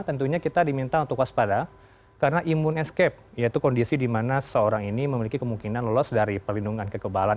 tentunya kita diminta untuk waspada karena imun escape yaitu kondisi di mana seseorang ini memiliki kemungkinan lolos dari perlindungan kekebalan